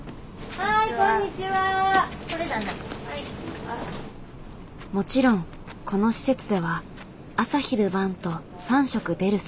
もちろんこの施設では朝昼晩と３食出るそうだけど。